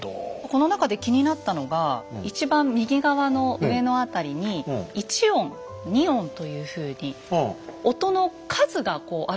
この中で気になったのが一番右側の上の辺りに「一音」「二音」というふうに音の数がこう表されてるんですけど。